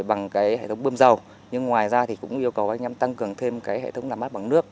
bằng hệ thống bơm dầu nhưng ngoài ra cũng yêu cầu anh em tăng cường thêm hệ thống làm mát bằng nước